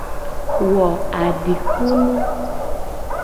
Wo adikunu.